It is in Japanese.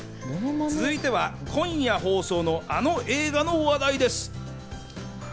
続いては今夜放送のあの映画の話題です。